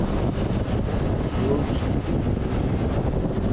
Yǒhwì.